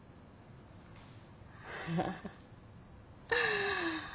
ああ。